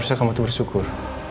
elsa kamu tuh bersyukur